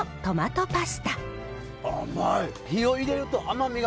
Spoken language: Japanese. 甘い！